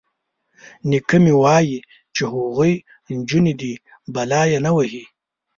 _نيکه مې وايي چې هغوی نجونې دي، بلا يې نه وهي.